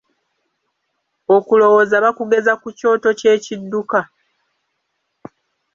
Okulowooza bakugeza ku kyoto ky'ekidduka.